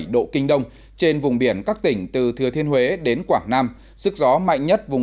một trăm linh tám bảy độ kinh đông trên vùng biển các tỉnh từ thừa thiên huế đến quảng nam sức gió mạnh nhất vùng